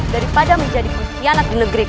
daripada menjadi kusianat di negeriku